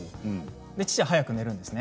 父親は早く寝るんで。